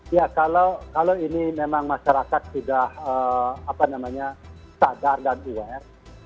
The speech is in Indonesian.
ya kalau ini memang masyarakat sudah sadar dan aware